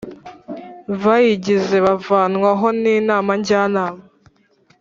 bayigize bavanwaho n Inama Njyanama